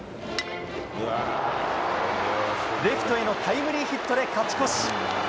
レフトへのタイムリーヒットで勝ち越し！